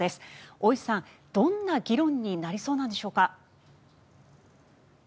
大石さん、どんな議論になりそうなんでしょうか？